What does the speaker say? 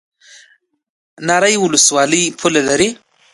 ناری ولسوالۍ پوله لري؟